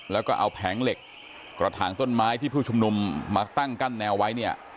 แล้วก็เอาแผงเหล็กกระถางต้นไม้ที่ผู้ชุมนุมมาตั้งกั้นแนวไว้เนี่ย